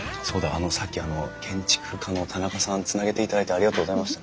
あのさっき建築家の田中さんつなげていただいてありがとうございました。